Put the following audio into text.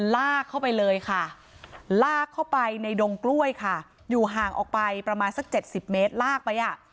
ลากเข้าไปเลยค่ะลากเข้าไปในดงกล้วยค่ะอยู่ห่างออกไปประมาณสักเจ็ดสิบเมตรลากไปอ่ะ